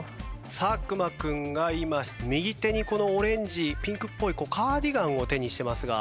作間君が今右手にこのオレンジピンクっぽいカーディガンを手にしてますが。